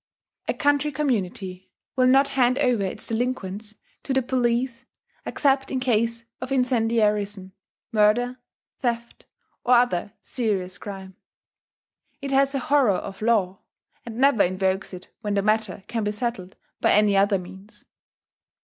A country community will not hand over its delinquents to the police except in case of incendiarism, murder, theft, or other serious crime. It has a horror of law, and never invokes it when the matter can be settled by any other means.